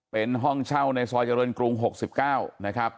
เป็นห้องเช่าในซอยเจริญกรุง๖๙นะครับ